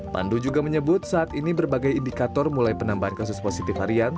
pandu juga menyebut saat ini berbagai indikator mulai penambahan kasus positif harian